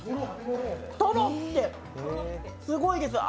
とろって、すごいです。